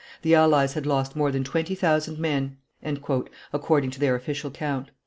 "The allies had lost more than twenty thousand men," according to their official account.